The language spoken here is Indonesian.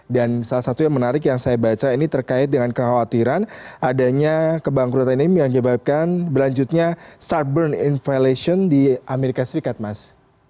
dan salah satu yang menarik yang saya baca ini terkait dengan kekhawatiran adanya kebangkrutan ini yang menyebabkan berlanjutnya start burn inflation di amerika serikat mas